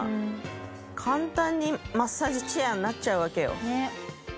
簡単にマッサージチェアになっちゃうわけよ。